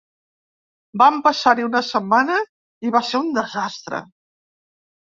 Vam passar-hi una setmana i va ser un desastre.